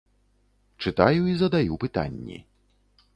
Чытаю і задаю пытанні.